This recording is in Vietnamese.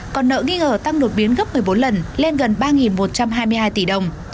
còn nợ nghi ngờ tăng đột biến gấp một mươi bốn lần lên gần ba một trăm hai mươi hai tỷ đồng